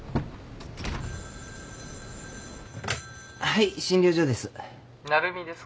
・☎はい診療所です。